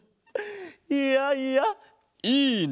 いやいやいいね！